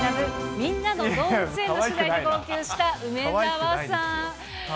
みんなのどうぶつ園の取材で号泣した梅澤さん。